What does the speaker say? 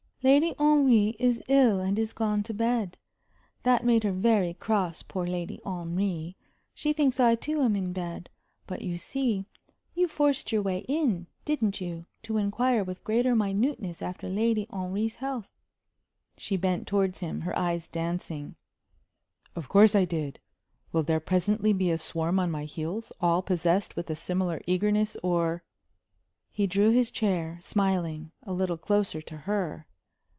"Lady Henry is ill and is gone to bed. That made her very cross poor Lady Henry! She thinks I, too, am in bed. But you see you forced your way in didn't you? to inquire with greater minuteness after Lady Henry's health." She bent towards him, her eyes dancing. "Of course I did. Will there presently be a swarm on my heels, all possessed with a similar eagerness, or ?" He drew his chair, smiling, a little closer to her.